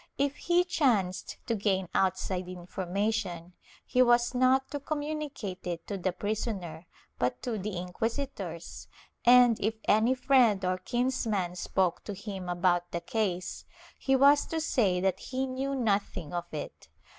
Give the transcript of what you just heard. If he chanced to gain outside information, he was not to communicate it to the prisoner but to the inquisitors and, if any friend or kinsman spoke to him about the case, he was to say that he knew nothing of it.